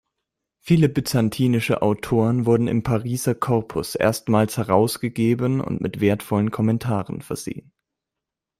Viele byzantinische Autoren wurden im Pariser Corpus erstmals herausgegeben und mit wertvollen Kommentaren versehen.